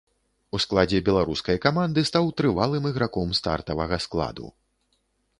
У складзе беларускай каманды стаў трывалым іграком стартавага складу.